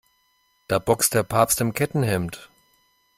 Da boxt der Papst im Kettenhemd.